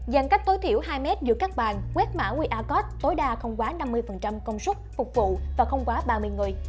dành cách tối thiểu hai mét giữa các bàn quét mã qr code tối đa không quá năm mươi công suất phục vụ và không quá ba mươi người